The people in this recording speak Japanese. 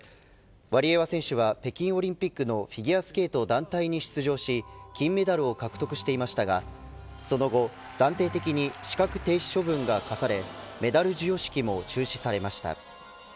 ワリエワ選手は北京オリンピックのフィギュアスケート団体に出場し金メダルを獲得していましたがその後、暫定的に資格停止処分が科されメダル授与式も中止されました。